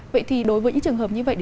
vậy thì đối với những trường hợp như vậy